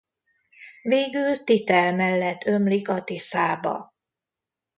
Végül Titel mellett ömlik a Tiszába.